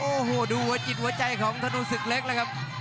โอ้โหดูหัวจิตหัวใจของธนูศึกเล็กแล้วครับ